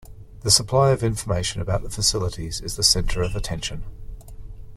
The supply of information about the facilities is the center of attention.